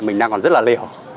mình đang còn rất là liều